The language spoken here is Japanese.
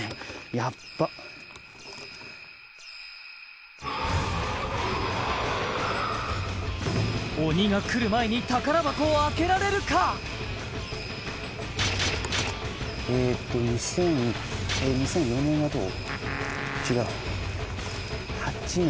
ヤッバ鬼が来る前に宝箱を開けられるかえーっと２０００２００４年はどう？